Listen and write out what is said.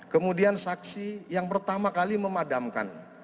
kemudian saksi yang pertama kali memadamkan